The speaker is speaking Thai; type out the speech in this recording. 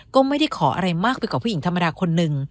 ก็ไม่ได้ขออะไรมากไปกว่าผู้หญิงธรรมดาคนนึง